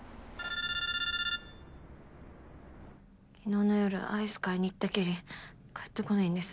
昨日の夜アイス買いに行ったきり帰って来ないんです。